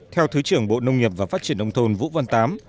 theo thứ trưởng bộ nông nhập và phát triển đông thôn vũ văn tám